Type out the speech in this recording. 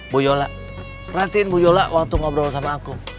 bu yola perhatiin bu yola waktu ngobrol sama aku